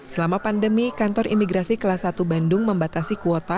selama pandemi kantor imigrasi kelas satu bandung membatasi kuota